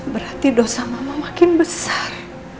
berarti dosa mama makin besar